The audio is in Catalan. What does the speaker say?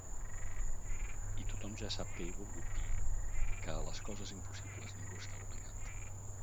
I tothom ja sap que he volgut dir que a les coses impossibles ningú està obligat.